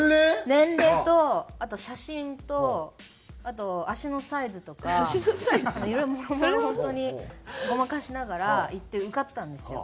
年齢とあと写真とあと足のサイズとかもろもろ本当にごまかしながら行って受かったんですよ。